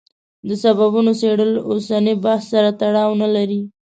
د سببونو څېړل اوسني بحث سره تړاو نه لري.